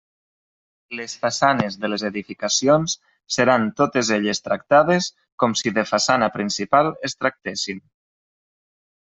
Les façanes de les edificacions seran totes elles tractades com si de façana principal es tractessin.